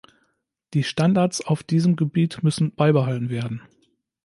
Die Standards auf diesem Gebiet müssen beibehalten werden.